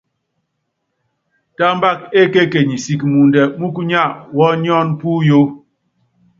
Támbák ékekenyi siki muundɛ múkúnyá wɔ́ɔ́níɔ́n puyó.